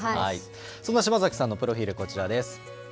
そんな島崎さんのプロフィール、こちらです。